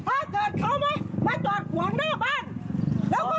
เพราะฉันไม่อยากจะยุ่งเกี่ยวกับใคร